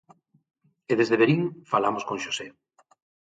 E desde Verín falamos con Xosé.